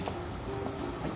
はい。